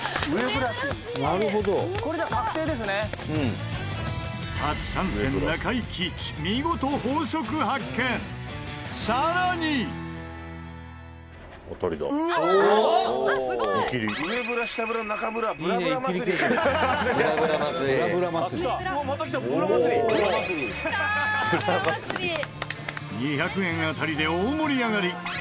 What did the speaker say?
ブラ祭り」２００円当たりで大盛り上がり。